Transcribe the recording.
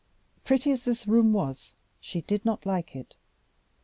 Pretty as this room was, she did not like it.